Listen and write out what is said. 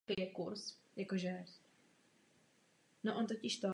V novodobé historii se proto několikrát pokoušelo získat nad ním alespoň částečnou kontrolu.